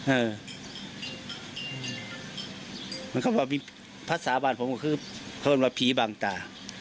เออมันเขาบอกมีภาษาบาลผมก็คือเขาบอกว่าผีบังตา